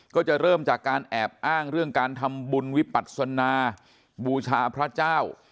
ก็จะเริ่มจากการแอบอ้างเรื่องการทำบุญวิปัศนาบูชาพระเจ้า